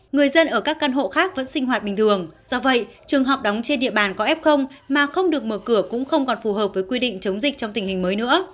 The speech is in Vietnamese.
người dân ở các căn hộ khác vẫn sinh hoạt bình thường do vậy trường học đóng trên địa bàn có f mà không được mở cửa cũng không còn phù hợp với quy định chống dịch trong tình hình mới nữa